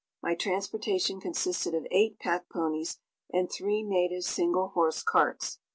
My transportation consisted of eight pack ponies and three native single horse carts.